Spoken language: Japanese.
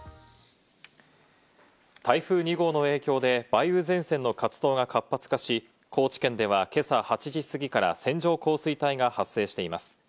台風２号の影響で、梅雨前線の活動が活発化し、高知県では今朝８時すぎから線状降水帯が発生しています。